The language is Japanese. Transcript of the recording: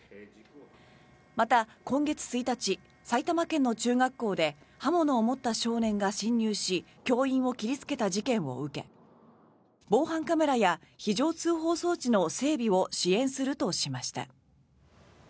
また、今月１日埼玉県の中学校で刃物を持った少年が侵入し教員を切りつけた事件を受け防犯カメラや非常通報装置の整備を支援するとしました。